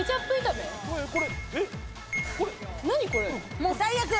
もう最悪。